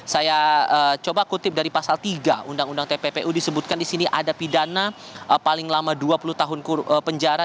saya coba kutip dari pasal tiga undang undang tppu disebutkan di sini ada pidana paling lama dua puluh tahun penjara